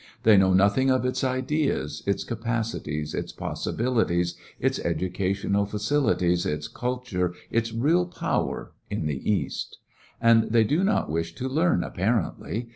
They know nothing of its ideas, its capacities, its possibilities, its educational fa cilitieSj its culturcj its real power, in the East And they do not wish to leam^ apparently.